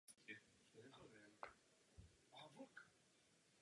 Po skončení sportovní kariéry převzal vedení americké judistické reprezentace.